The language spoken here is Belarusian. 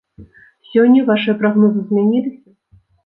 Сёння вашыя прагнозы змяніліся?